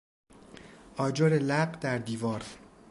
آجر لق در دیوار